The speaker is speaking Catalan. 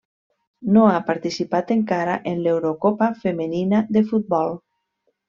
No ha participat encara en l'Eurocopa Femenina de Futbol.